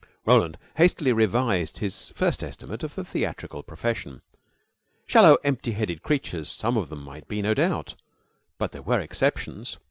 Roland hastily revised his first estimate of the theatrical profession. Shallow, empty headed creatures some of them might be, no doubt, but there were exceptions.